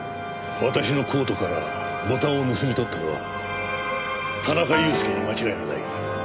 私のコートからボタンを盗み取ったのは田中裕介に間違いはない。